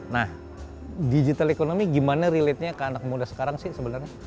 nah digital economy gimana relate nya ke anak muda sekarang sih sebenarnya